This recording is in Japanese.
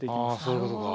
なるほど。